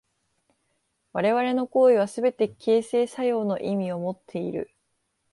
我々の行為はすべて形成作用の意味をもっている。